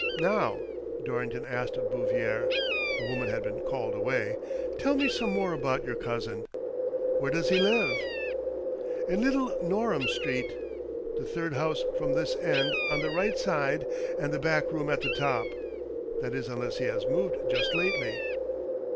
" Now," Dorrington asked of Bouvier (the woman had been called away), "tell me some more about your cousin. Where does he live? "" In Little Norham Street ; the third house from this end on the right and the back room at the top. That is unless he has moved just lately."